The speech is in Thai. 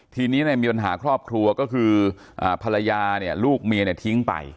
ทีนี้มีปัญหาครอบครัวก็คือภรรยาเนี่ยลูกเมียเนี่ยทิ้งไป